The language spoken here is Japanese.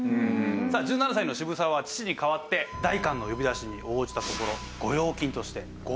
さあ１７歳の渋沢は父に代わって代官の呼び出しに応じたところ御用金として５００両。